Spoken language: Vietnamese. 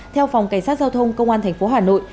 theo phòng cảnh sát giao thông công an thành phố hà nội